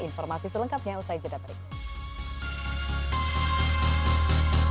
informasi selengkapnya usai jeda berikut